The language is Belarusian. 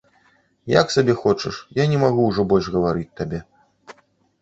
Як сабе хочаш, я не магу ўжо больш гаварыць табе.